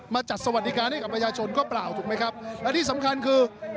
จัดสวัสดิการให้กับประชาชนก็เปล่าถูกไหมครับและที่สำคัญคือ